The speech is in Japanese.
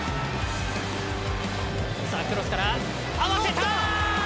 クロスから合わせた！